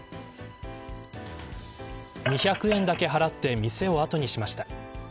２００円だけ払って店を後にしました。